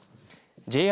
ＪＲ